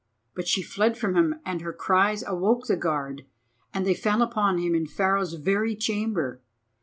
But she fled from him, and her cries awoke the guard, and they fell upon him in Pharaoh's very chamber.